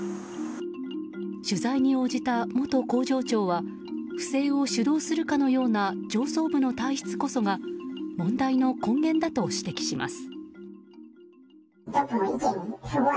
取材に応じた元工場長は不正を主導するかのような上層部の体質こそが問題の根源だと指摘します。